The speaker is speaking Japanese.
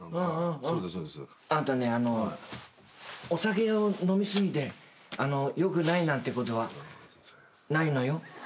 あんたねお酒を飲み過ぎてよくないなんてことはないのよ。